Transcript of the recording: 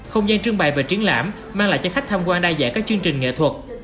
không gian trưng bày và triển lãm mang lại cho khách tham quan đa dạng các chương trình nghệ thuật